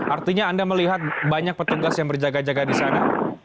artinya anda melihat banyak petugas yang berjaga jaga di sana